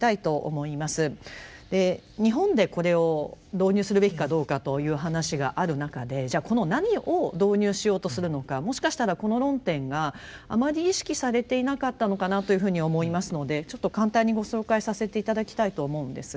日本でこれを導入するべきかどうかという話がある中でじゃこの何を導入しようとするのかもしかしたらこの論点があまり意識されていなかったのかなというふうに思いますのでちょっと簡単にご紹介させて頂きたいと思うんですが。